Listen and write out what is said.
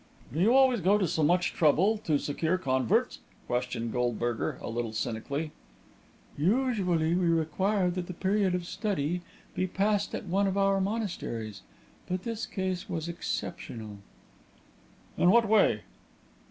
"Do you always go to so much trouble to secure converts?" questioned Goldberger, a little cynically. "Usually we require that the period of study be passed at one of our monasteries. But this case was exceptional." "In what way?"